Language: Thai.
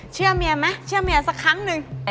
เชื่อเมียไหมเชื่อเมียสักครั้งหนึ่ง